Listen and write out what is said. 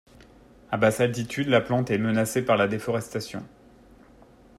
À basse altitude, la plante est menacée par la déforestation.